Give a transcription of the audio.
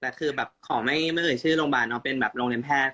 แต่คือแบบขอไม่เอ่ยชื่อโรงพยาบาลเนอะเป็นแบบโรงเรียนแพทย์